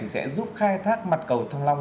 sẽ giúp khai thác mặt cầu thăng long